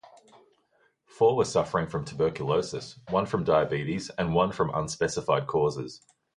Four were suffering from tuberculosis, one from diabetes, and one from unspecified causes.